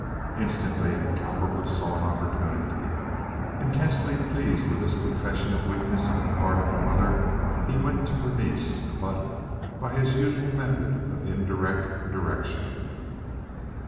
Instantly Cowperwood saw an opportunity. Intensely pleased with this confession of weakness on the part of the mother, he went to Berenice, but by his usual method of indirect direction.